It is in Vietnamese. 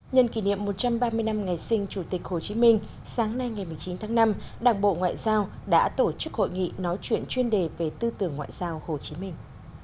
nhân kỷ niệm một trăm ba mươi năm ngày sinh chủ tịch hồ chí minh sáng nay ngày một mươi chín tháng năm đảng bộ ngoại giao đã tổ chức hội nghị nói chuyện chuyên đề về tư tưởng ngoại giao hồ chí minh